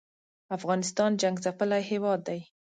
افغانستان جنګ څپلی هېواد دی